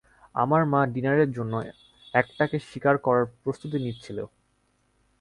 আর মা ডিনারের জন্য একটাকে শিকার করার প্রস্তুতি নিচ্ছিলো।